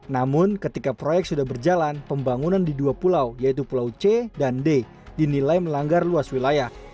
namun ketika proyek sudah berjalan pembangunan di dua pulau yaitu pulau c dan d dinilai melanggar luas wilayah